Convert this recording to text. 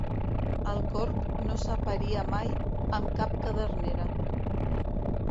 El corb no s'aparia mai amb cap cadernera.